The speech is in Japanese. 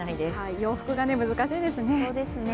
洋服が難しいですね。